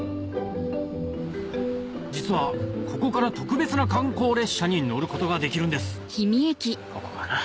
実はここから特別な観光列車に乗ることができるんです